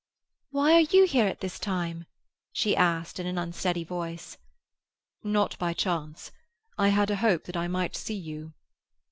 "Why are you here at this time?" she asked in an unsteady voice. "Not by chance. I had a hope that I might see you."